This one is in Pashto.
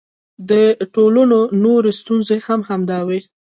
د ټولنو نورې ستونزې هم همداسې دي.